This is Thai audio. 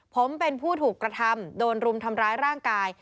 ผมเป็นผู้ถูกกระทำโดนรุมทำร้ายร่างกาย